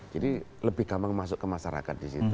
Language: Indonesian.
jadi lebih gampang masuk ke masyarakat di situ